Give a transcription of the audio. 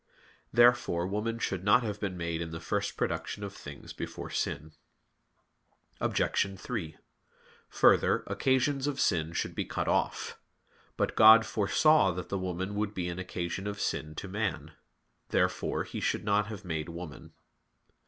Therefore woman should not have been made in the first production of things before sin. Obj. 3: Further, occasions of sin should be cut off. But God foresaw that the woman would be an occasion of sin to man. Therefore He should not have made woman.